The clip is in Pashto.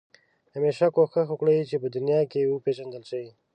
همېشه کوښښ وکړه چې په دنیا کې وپېژندل شې.